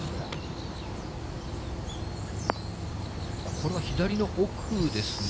これは左の奥ですね。